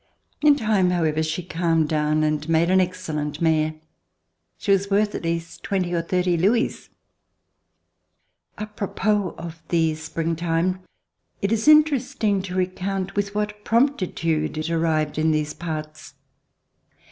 In time, however, she calmed down and made an excellent mare. She was worth at least twenty or thirty louis. A propos of the springtime. It Is Interesting to recount with what promptitude it arrived in these parts.